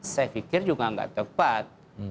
saya pikir juga nggak tepat